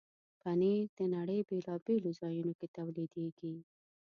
پنېر د نړۍ بیلابیلو ځایونو کې تولیدېږي.